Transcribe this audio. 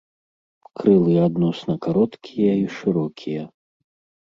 Крылы адносна кароткія і шырокія.